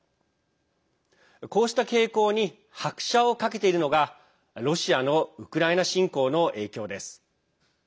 こうした傾向に拍車をかけているのがロシアのウクライナ侵攻の影響です。